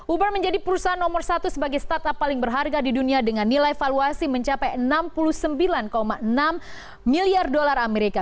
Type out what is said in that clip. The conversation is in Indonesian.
uber menjadi perusahaan nomor satu sebagai startup paling berharga di dunia dengan nilai valuasi mencapai enam puluh sembilan enam miliar dolar amerika